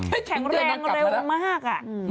แข็งแรงเร็วมาก